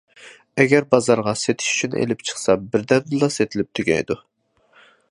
ئەگەر بازارغا سېتىش ئۈچۈن ئېلىپ چىقسا بىردەمدىلا سېتىلىپ تۈگەيدۇ.